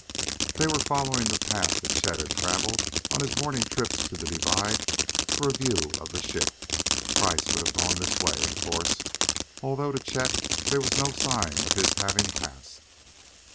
They were following the path that Chet had traveled on his morning trips to the divide for a view of the ship. Kreiss would have gone this way, of course, although to Chet, there was no sign of his having passed.